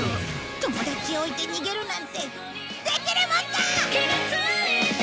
友達を置いて逃げるなんてできるもんか！